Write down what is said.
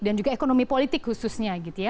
dan juga ekonomi politik khususnya